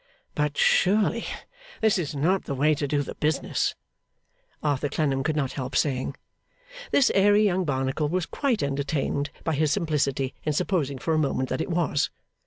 'But surely this is not the way to do the business,' Arthur Clennam could not help saying. This airy young Barnacle was quite entertained by his simplicity in supposing for a moment that it was.